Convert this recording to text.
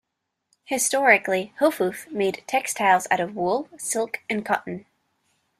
Historically, Hofuf made textiles out of wool, silk, and cotton.